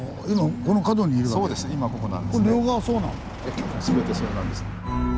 今全てそうなんです。